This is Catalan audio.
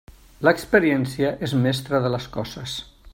L'experiència és mestre de les coses.